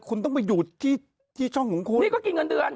คุณต้องไปอยู่ที่ช่องของคุณนี่ก็กินเงินเดือน